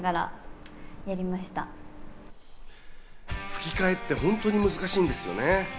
吹き替えって、本当に難しいんですよね。